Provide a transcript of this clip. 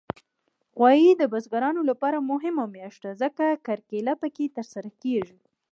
غویی د بزګرانو لپاره مهمه میاشت ده، ځکه کرکیله پکې ترسره کېږي.